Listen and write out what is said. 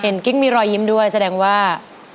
กิ๊กมีรอยยิ้มด้วยแสดงว่า